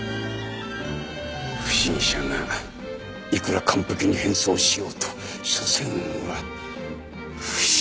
不審者がいくら完璧に変装しようと所詮は不審者だ。